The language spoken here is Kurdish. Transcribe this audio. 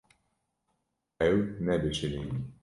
Ew nebişirî.